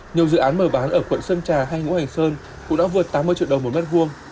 nhiều dự án mở bán ở quận sơn trà hay ngũ hành sơn cũng đã vượt tám mươi triệu đồng một mét vuông